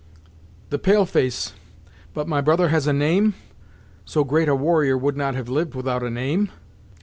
"The pale face but my brother has a name? So great a warrior would not have lived without a name?"